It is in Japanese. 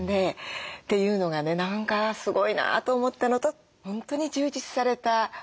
何かすごいなと思ったのと本当に充実されたお顔と空気感で